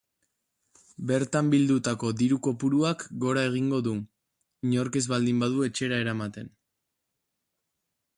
Bertan bildutako diru-kopuruak gora egingo du, inork ez baldin badu etxera eramaten.